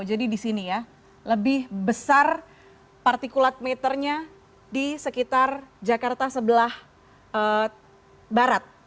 jadi di sini ya lebih besar partikulat meternya di sekitar jakarta sebelah barat